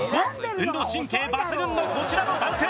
運動神経抜群のこちらの男性。